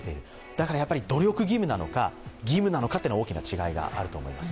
だから努力義務なのか、義務なのかというのは大きな違いがあります。